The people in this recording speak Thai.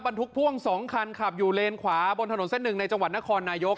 ทุกพ่วง๒คันขับอยู่เลนขวาบนถนนเส้นหนึ่งในจังหวัดนครนายก